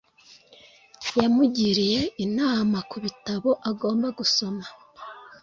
yamugiriye inama ku bitabo agomba gusoma